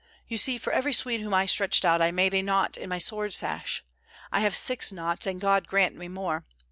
You see, for every Swede whom I stretched out I made a knot on my sword sash. I have six knots, and God grant me more!